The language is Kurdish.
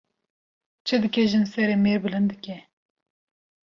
Çi dike jin serê mêr bilind dike